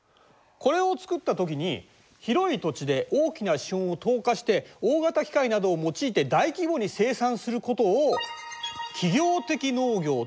これを作ったときに広い土地で大きな資本を投下して大型機械などを用いて大規模に生産することをなるほど。